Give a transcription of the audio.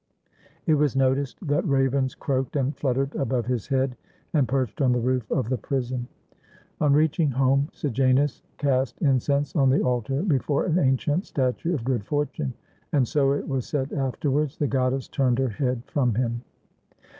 It was noticed that ravens croaked and fluttered above his head, and perched on the roof of the prison. On reaching home Sejanus cast incense on the altar before an ancient statue of Good Fortune, and — so it was said afterwards — the goddess turned her head from him.